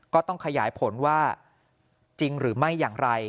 ก็ต้องขยายผลว่าจริงหรือไม่อย่างไร